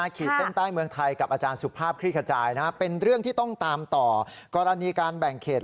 ขีดเส้นใต้เมืองไทยกับอาจารย์สุภาพคลี่ขจายเป็นเรื่องที่ต้องตามต่อกรณีการแบ่งเขต